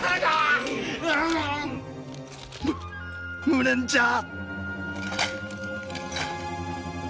む無念じゃ。